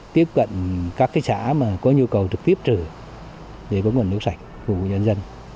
tiếp cận các cái xã mà có nhu cầu trực tiếp trử để có nguồn nước sạch phù hợp nhân dân